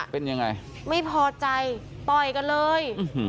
เป็นยังไงไม่พอใจต่อยกันเลย